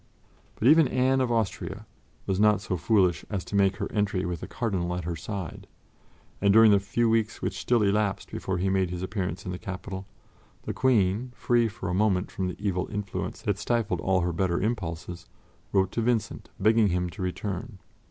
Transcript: But even Anne of Austria was not so foolish as to make her entry with the Cardinal at her side, and during the few weeks which still elapsed before he made his appearance in the capital, the Queen, free for a moment from the evil influence that stifled all her better impulses, wrote to Vincent, begging him to return.